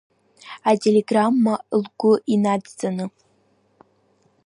Ателеграмма лгәы инадҵаны.